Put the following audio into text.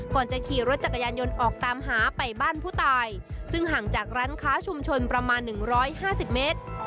ก่อนจะขี่รถจักรยานยนต์ออกตามหาไปบ้านผู้ตายซึ่งห่างจากร้านค้าชุมชนประมาณ๑๕๐เมตร